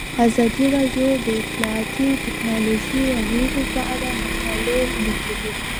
ازادي راډیو د اطلاعاتی تکنالوژي د اغیزو په اړه مقالو لیکلي.